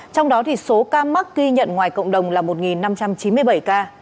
trong đó số ca mắc ghi nhận ngoài cộng đồng là một năm trăm chín mươi bảy ca